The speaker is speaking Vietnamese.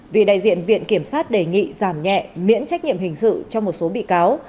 vì đại diện viện kiểm sát đề nghị giảm nhẹ miễn trách nhiệm hình sự cho một số bị cáo